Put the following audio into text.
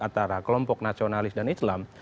antara kelompok nasionalis dan islam